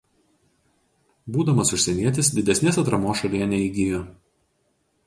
Būdamas užsienietis didesnės atramos šalyje neįgijo.